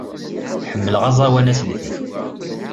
Ḥemmleɣ aẓawan aselti.